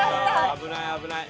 危ない危ない。